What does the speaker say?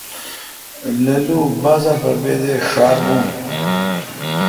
للو بازار پر بے دیر ݭار بھون۔